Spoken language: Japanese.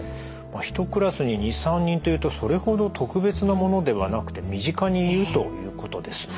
１クラスに２３人というとそれほど特別なものではなくて身近にいるということですね。